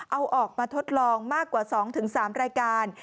เอาออกมาทดลองมากกว่า๒๓รายการ